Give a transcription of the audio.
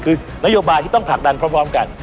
คือนโยบายที่ต้องผลักดันพร้อมกัน